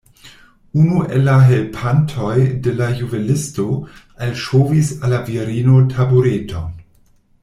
Unu el la helpantoj de la juvelisto alŝovis al la virino tabureton.